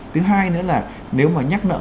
thứ hai nữa là nếu mà nhắc nợ